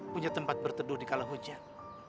punya tempat berteduh di kala hujan